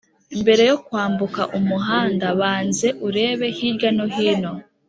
Mbere yo kwambuka umuhanda banze urebe hirya no hino